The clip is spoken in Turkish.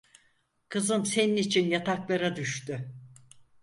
Kızım senin için yataklara düştü.